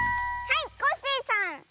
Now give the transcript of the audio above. はいコッシーさん！